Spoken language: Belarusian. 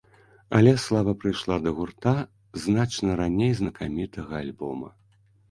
Але слава прыйшла да гурта значна раней знакамітага альбома.